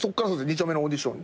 ２丁目のオーディション。